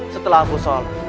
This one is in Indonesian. setelah aku sholat